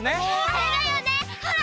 あれだよねほら。